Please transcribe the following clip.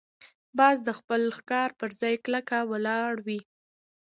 باز د خپل ښکار پر ځای کلکه ولاړ وي